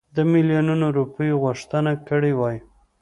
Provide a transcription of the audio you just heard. د میلیونونو روپیو غوښتنه کړې وای.